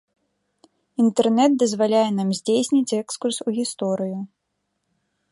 Інтэрнэт дазваляе нам здзейсніць экскурс у гісторыю.